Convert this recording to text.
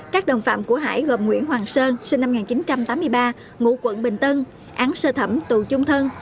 các đồng phạm của hải gồm nguyễn hoàng sơn sinh năm một nghìn chín trăm tám mươi ba ngụ quận bình tân án sơ thẩm tù chung thân